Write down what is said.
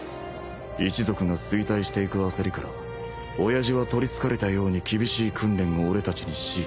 一族が衰退していく焦りから親父は取りつかれたように厳しい訓練を俺たちに強いた